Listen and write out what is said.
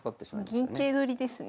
銀桂取りですね。